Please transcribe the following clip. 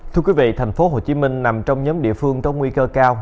thưa quý vị thành phố hồ chí minh nằm trong nhóm địa phương có nguy cơ cao